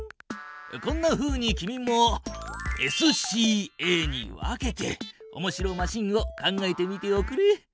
こんなふうに君もＳＣＡに分けておもしろマシンを考えてみておくれ。